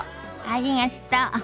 ありがと。